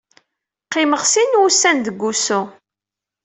Qqimeɣ sin wussan deg wusu.